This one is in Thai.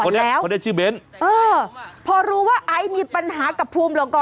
คนนี้คนนี้ชื่อเบ้นเออพอรู้ว่าไอซ์มีปัญหากับภูมิหล่อ